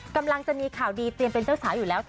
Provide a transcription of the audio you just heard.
กำลังจะมีข่าวดีเตรียมเป็นเจ้าสาวอยู่แล้ว